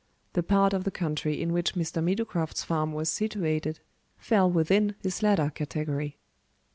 The part of the country in which M. Meadowcroft's farm was situated fell within this latter category.